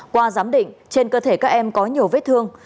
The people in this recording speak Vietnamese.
qua giám định trên cơ thể các em có nhiều vết thương